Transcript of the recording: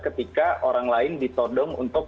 ketika orang lain ditodong untuk